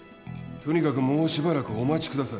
とにかくもうしばらくお待ちください。